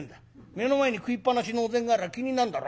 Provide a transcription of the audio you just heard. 目の前に食いっぱなしのお膳がありゃ気になるだろ。